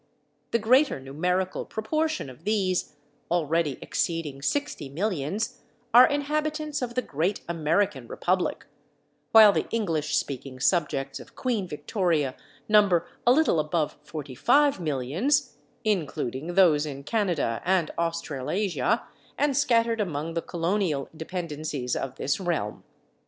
The greater numerical proportion of these, already exceeding sixty millions, are inhabitants of the great American Republic, while the English speaking subjects of Queen Victoria number a little above forty five millions, including those in Canada and Australasia and scattered among the colonial dependencies of this realm.